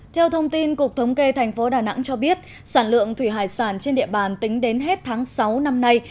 theo thông tin cục thống kê thành phố đà nẵng cho biết sản lượng thủy hải sản trên địa bàn tính đến hết tháng sáu năm nay